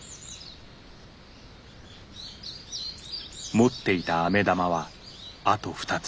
持っていたアメ玉はあと２つ。